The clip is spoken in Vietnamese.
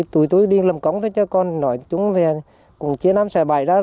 tụi tôi đi làm cống thôi chứ còn nói chúng thì cũng chia năm xài bài ra